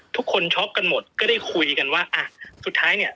ทุกคนช็อคกันหมดก็ได้คุยกันว่าสุดท้ายเนี่ย